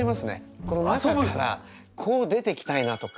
この中からこう出てきたいなとか。